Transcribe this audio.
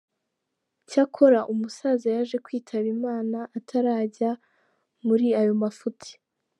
Cyakora umusaza yaje kwitaba Imana atarajya muri ayo mafuti.